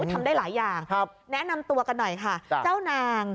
ทำได้หลายอย่างแนะนำตัวกันหน่อยค่ะเจ้านาง